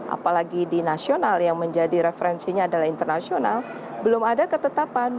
apalagi di nasional yang menjadi referensinya adalah internasional belum ada ketetapan